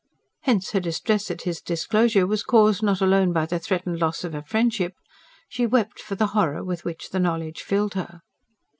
Hence her distress at his disclosure was caused not alone by the threatened loss of a friendship: she wept for the horror with which the knowledge filled her.